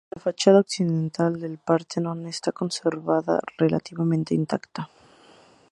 La fachada occidental del Partenón está conservada relativamente intacta.